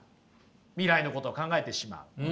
未来のこと考えてしまう。